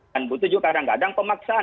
dan butuh juga kadang kadang pemaksaan